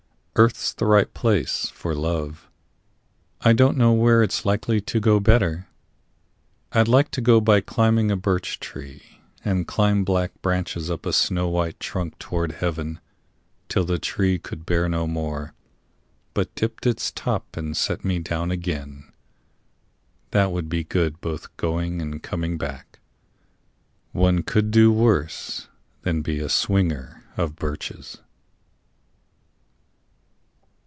Earth's the right place for love: I don't know where it's likely to go better. I'd like to go by climbing a birch tree, And climb black branches up a snow white trunk Toward heaven, till the tree could bear no more, But dipped its top and set me down again. That would be good both going and coming back. One could do worse than be a swinger of birches.